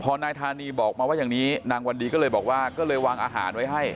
พอนายธานีบอกมาว่าอย่างนี้นางวันดีก็เลยบอกว่าก็เลยวางอาหารไว้ให้